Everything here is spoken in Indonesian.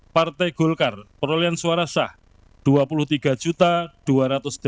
partai golkar perolehan suara sah dua puluh tiga dua ratus delapan enam ratus lima puluh empat suara